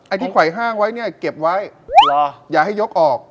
ไอ้ที่ไขว้ห้างไว้เก็บไว้อย่าให้ยกออก